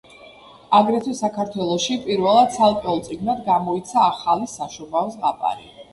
აგრეთვე, საქართველოში პირველად ცალკეულ წიგნად გამოიცა ახალი საშობაო ზღაპარი.